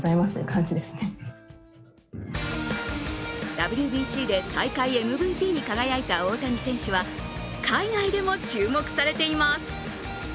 ＷＢＣで大会ＭＶＰに輝いた大谷選手は海外でも注目されています。